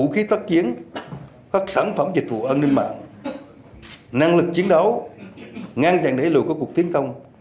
kể cả các việc